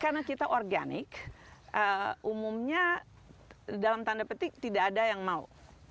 karena kita organic umumnya dalam tanda petik tidak ada yang mau